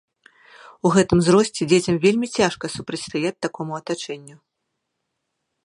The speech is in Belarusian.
У гэтым узросце дзецям вельмі цяжка супрацьстаяць такому атачэнню.